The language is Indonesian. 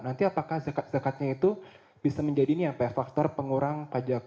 nanti apakah zakat zakatnya itu bisa menjadi nih yang pay faktor pengurang pajak